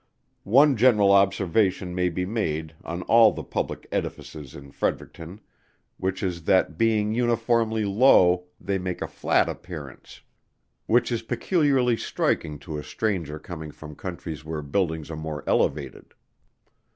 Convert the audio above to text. One general observation may be made on all the public edifices in Fredericton, which is that being uniformly low they make a flat appearance, which is peculiarly striking to a stranger coming from countries where buildings are more elevated.